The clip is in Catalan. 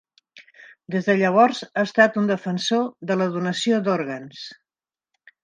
Des de llavors ha estat un defensor de la donació d'òrgans.